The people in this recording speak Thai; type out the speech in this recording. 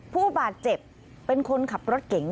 ผู้บาดเจ็บเป็นคนขับรถเก๋ง